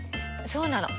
そうなの。